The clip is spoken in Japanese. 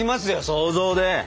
想像で。